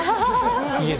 家で。